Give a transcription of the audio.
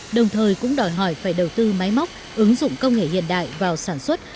đồng thời cũng đòi hỏi phải đầu tư máy móc ứng dụng công nghệ hiện đại vào sản xuất